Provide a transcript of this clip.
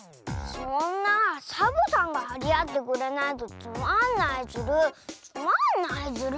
そんなサボさんがはりあってくれないとつまんないズルつまんないズル。